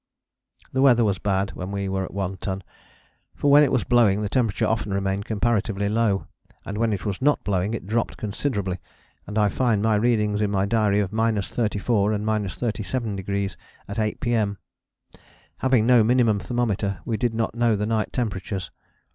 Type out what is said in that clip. The weather was bad when we were at One Ton, for when it was blowing the temperature often remained comparatively low, and when it was not blowing it dropped considerably, and I find readings in my diary of 34° and 37° at 8 P.M. Having no minimum thermometer we did not know the night temperatures.